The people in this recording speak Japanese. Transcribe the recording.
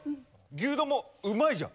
牛丼もうまいじゃん。